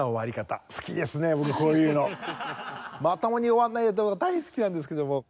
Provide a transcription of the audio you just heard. まともに終わらないのとか大好きなんですけども。